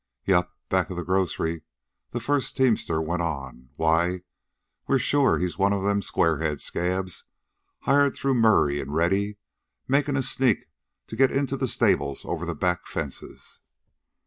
"Yep, back of the grocery," the first teamster went on; "why, we're sure he's one of them squarehead scabs, hired through Murray an' Ready, makin' a sneak to get into the stables over the back fences."